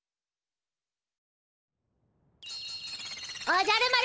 おじゃる丸。